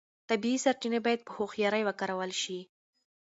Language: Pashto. طبیعي سرچینې باید په هوښیارۍ وکارول شي.